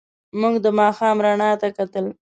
موږ د ماښام رڼا ته کتل.